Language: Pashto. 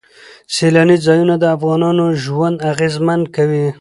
سیلانی ځایونه د افغانانو ژوند اغېزمن کوي.